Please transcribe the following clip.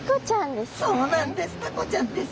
タコちゃんですね！